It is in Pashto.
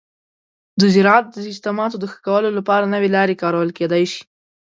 د زراعت د سیستماتو د ښه کولو لپاره نوي لارې کارول کیدی شي.